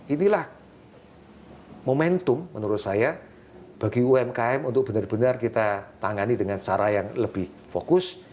inilah momentum menurut saya bagi umkm untuk benar benar kita tangani dengan cara yang lebih fokus